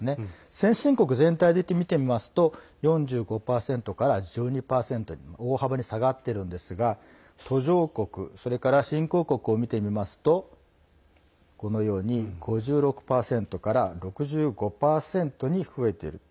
先進国全体で見てみますと４５％から１２％に大幅に下がっているんですが途上国それから新興国を見てみますとこのように５６％から６５％に増えている。